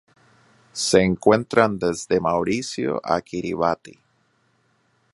Se encuentran desde Mauricio a Kiribati.